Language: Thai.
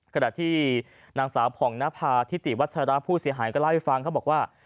ขณะที่นางสาวผ่องนภาทิติวัชราผู้เสียหายก็เล่าให้ฟังเขาบอกว่า